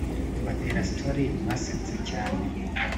mbatera story basetse cyane